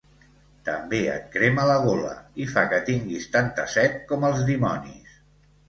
També et crema la gola, i fa que tinguis tanta set com els dimonis.